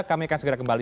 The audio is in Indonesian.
kami akan segera kembali